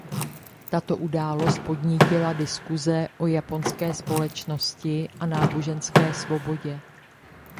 Tato událost podnítila diskuse o japonské společnosti a náboženské svobodě.